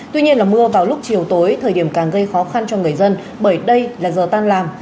tuy nhiên mưa vào lúc chiều tối thời điểm càng gây khó khăn cho người dân bởi đây là giờ tan làm